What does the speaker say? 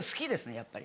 やっぱり。